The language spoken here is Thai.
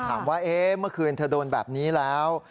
ถามว่าเมื่อคืนเธอโดนแบบนี้แล้ว